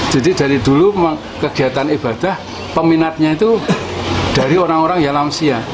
jadi dari dulu kegiatan ibadah peminatnya itu dari orang orang yang lansia